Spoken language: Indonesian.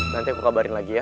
nanti aku kabarin lagi ya